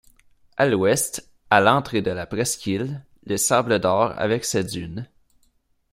À l'Ouest, à l'entrée de la presqu'île, les Sables d'or avec ses dunes.